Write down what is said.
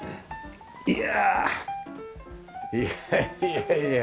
いやいやいやいや。